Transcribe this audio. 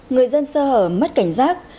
người dân sơ hở mất cảnh giác